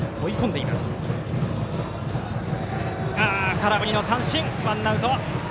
空振り三振、ワンアウト。